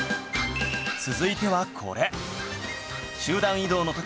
続いてはこれ